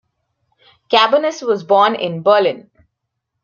Cabanis was born in Berlin.